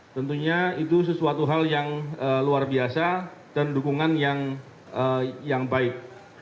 tentunya itu sesuatu hal yang luar biasa dan dukungan yang baik